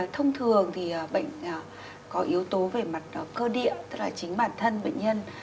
thông thường thì bệnh có yếu tố về mặt cơ địa tức là chính bản thân bệnh nhân